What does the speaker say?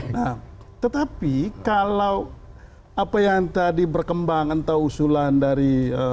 nah tetapi kalau apa yang tadi berkembang entah usulan dari